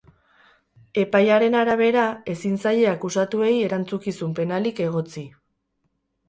Epaiaren arabera, ezin zaie akusatuei erantzukizun penalik egotzi.